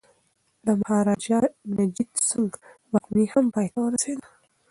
د مهاراجا رنجیت سنګ واکمني هم پای ته ورسیده.